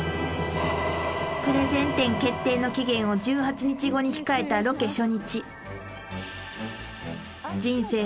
［プレゼン店決定の期限を１８日後に控えたロケ初日］